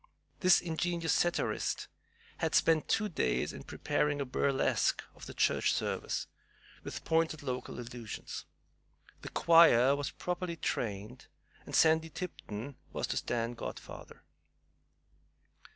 This ingenious satirist had spent two days in preparing a burlesque of the Church service, with pointed local allusions. The choir was properly trained, and Sandy Tipton was to stand godfather.